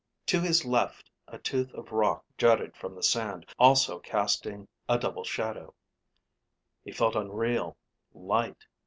To his left a tooth of rock jutted from the sand, also casting a double shadow. He felt unreal, light.